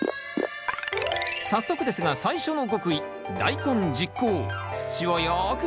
早速ですが最初の極意